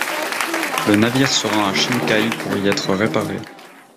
Le navire se rend à Chinkai pour y être réparé.